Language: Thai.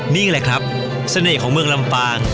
นี่แหละครับเสน่ห์ของเมืองลำปาง